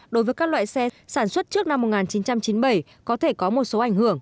đối với các loại xe sản xuất trước năm một nghìn chín trăm chín mươi bảy có thể có một số ảnh hưởng